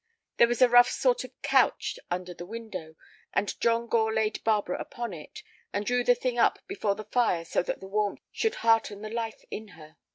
There was a rough sort of couch under the window, and John Gore laid Barbara upon it, and drew the thing up before the fire so that the warmth should hearten the life in her.